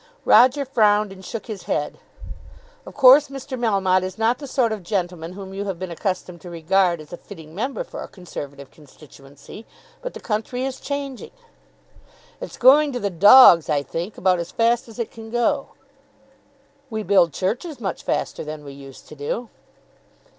Roger frowned and shook his head. "Of course Mr. Melmotte is not the sort of gentleman whom you have been accustomed to regard as a fitting member for a Conservative constituency. But the country is changing." "It's going to the dogs, I think; about as fast as it can go." "We build churches much faster than we used to do."